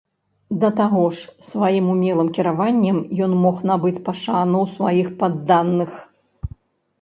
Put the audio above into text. Да таго ж сваім умелым кіраваннем ён мог набыць пашану ў сваіх падданых.